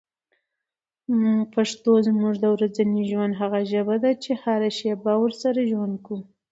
پښتو زموږ د ورځني ژوند هغه ژبه ده چي هره شېبه ورسره ژوند کوو.